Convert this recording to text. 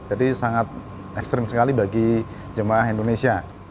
jadi sangat ekstrim sekali bagi jemaah indonesia